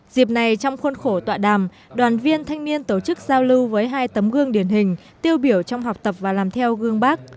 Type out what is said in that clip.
dịp này trong khuôn khổ tọa đàm đoàn viên thanh niên tổ chức giao lưu với hai tấm gương điển hình tiêu biểu trong học tập và làm theo gương bác